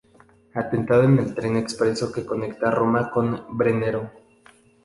Atentado en el tren expreso que conecta Roma con Brennero.